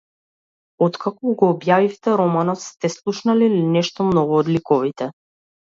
Откако го објавивте романот, сте слушнале ли нешто ново од ликовите?